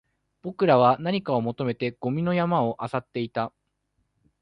僕らは何かを求めてゴミの山を漁っていた